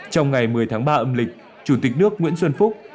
trong ngày một mươi tháng ba âm lịch chủ tịch nước nguyễn xuân phúc